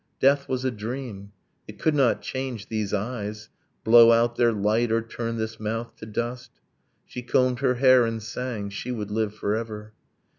Death was a dream. It could not change these eyes, Blow out their light, or turn this mouth to dust. She combed her hair and sang. She would live forever.